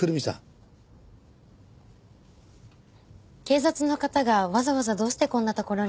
警察の方がわざわざどうしてこんな所に？